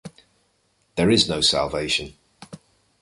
There is no salvation.